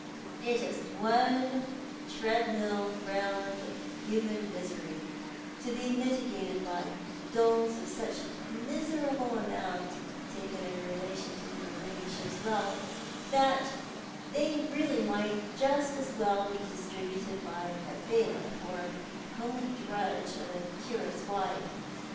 It is one treadmill round of human misory, to be miti gated by doles of such miserable amount — taken in relation to her ladyship's wealth — that they really might just as well be distril)nted by a bailifT, or homely drudge of a curate's wife.